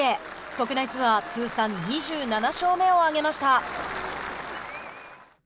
国内ツアー通算２７勝目を挙げました。